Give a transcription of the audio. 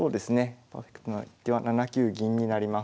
パーフェクトな一手は７九銀になります。